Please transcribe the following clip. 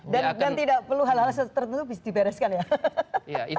dan tidak perlu hal hal tertentu bisa dibereskan ya